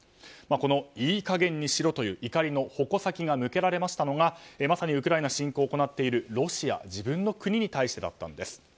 このいい加減にしろという怒りの矛先が向けられましたのがまさにウクライナ侵攻を行っているロシア自分の国に対してだったのです。